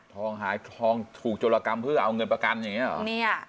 หายทองถูกโจรกรรมเพื่อเอาเงินประกันอย่างนี้หรอ